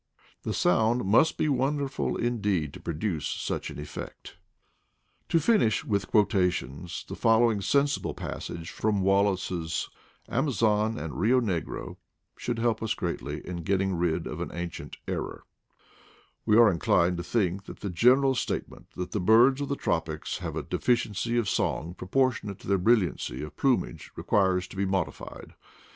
" The sound must be wonderful indeed to produce such an effect! ^f CYPHORHINUS CANTANS BIRD MUSIC IN SOUTH AMERICA 155 To finish with quotations, the following sensible passage from Wallace's Amazon and Rio Negro should help us greatly in getting rid of an ancient error :* 'We are inclined to think that the general statement, that the birds of the tropics have a deficiency of song proportionate to their brilliancy of plumage, requires to be modified.